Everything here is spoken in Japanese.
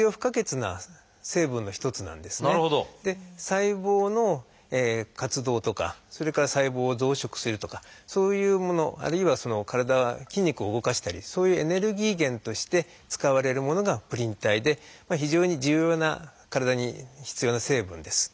細胞の活動とかそれから細胞を増殖するとかそういうものあるいは筋肉を動かしたりそういうエネルギー源として使われるものがプリン体で非常に重要な体に必要な成分です。